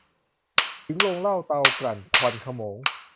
ถึงโรงเหล้า เตากลั่น ควันโขมง